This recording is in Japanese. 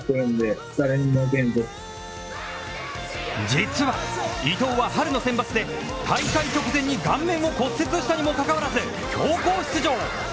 実は伊藤は、春のセンバツで大会直前に顔面を骨折したにもかかわらず強行出場。